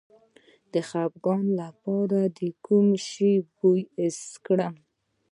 د خپګان لپاره د کوم شي بوی حس کړم؟